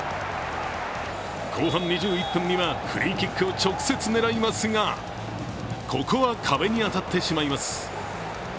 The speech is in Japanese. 後半２１分にはフリーキックを直接狙いますが、ここは壁に当たってしまいます。